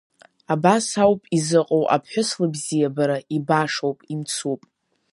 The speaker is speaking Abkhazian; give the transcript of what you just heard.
Абас ауп изыҟоу аԥҳәыс лыбзиабара, ибашоуп, имцуп.